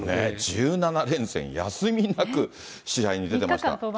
１７連戦、休みなく試合に出てました。